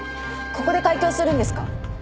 ここで開胸するんですか？